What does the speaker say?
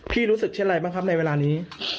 รู้สึกเช่นอะไรบ้างครับในเวลานี้